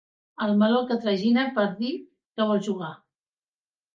El meló que tragina per dir que vol jugar.